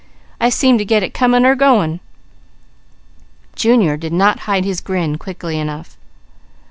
I seemed to get it coming or going." Junior did not hide his grin quickly enough.